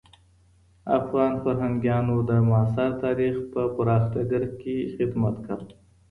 افغان فرهنګيانو د معاصر ادب په پراخ ډګر کي خدمت کاوه.